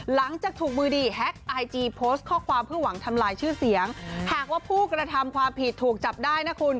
หลังจากถูกมือดีแฮ็กไอจีโพสต์ข้อความเพื่อหวังทำลายชื่อเสียงหากว่าผู้กระทำความผิดถูกจับได้นะคุณ